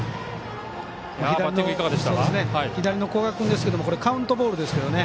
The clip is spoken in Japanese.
左の古賀君ですけどこれカウントボールですけどね。